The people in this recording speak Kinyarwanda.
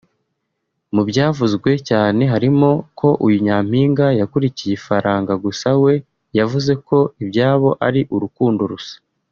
Mu byavuzwe cyane harimo ko ‘uyu Nyampinga yakurikiye ifaranga’ gusa we yavuze ko ibyabo ari urukundo rusa